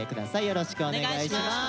よろしくお願いします。